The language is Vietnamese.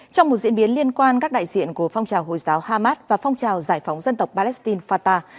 trong một diễn biến liên quan các đại diện của phong trào hồi giáo hamas và phong trào giải phóng dân tộc palestine fatah